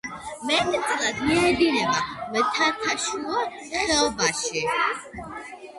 მეტწილად მიედინება მთათაშუა ხეობაში.